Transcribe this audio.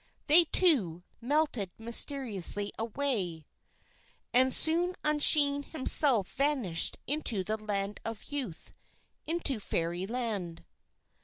They, too, melted mysteriously away. And soon Usheen himself vanished into the Land of Youth, into Fairy Land.